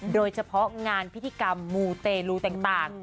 โดยเฉพาะงานพิธีกรรมมูเตลูต่าง